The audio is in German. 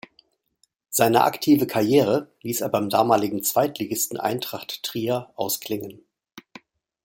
Seine aktive Karriere ließ er beim damaligen Zweitligisten Eintracht Trier ausklingen.